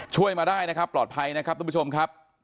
ช่วยมาได้นะครับปลอดภัยนะครับทุกผู้ชมครับ